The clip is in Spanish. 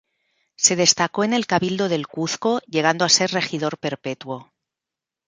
Se destacó en el Cabildo del Cuzco, llegando a ser regidor perpetuo.